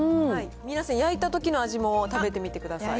皆さん、焼いたときの味も食べてみてください。